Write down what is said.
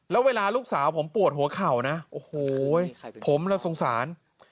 แล้วเวลาลูกสาวผมปวดหัวเข่านะโอ้โหผมเราสงสาร